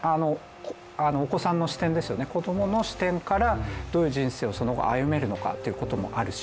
お子さんの視点から、どういう人生をその後歩めるのかということもあるし